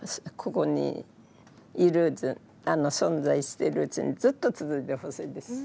ここにいる存在しているうちにずっと続いてほしいです。